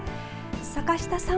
坂下さん。